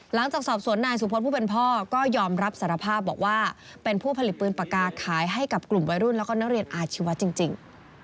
หลังจากสอบสวนนายสุพธผู้เป็นพ่อก็ยอมรับสารภาพบอกว่าเป็นผู้ผลิตปืนปากกาขายให้กับกลุ่มวัยรุ่นแล้วก็นักเรียนอาชีวะจริง